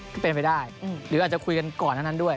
ก็เป็นไปได้หรืออาจจะคุยกันก่อนทั้งนั้นด้วย